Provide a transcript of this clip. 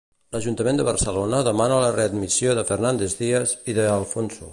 L'Ajuntament de Barcelona demana la readmissió de Fernández Díaz i De Alfonso.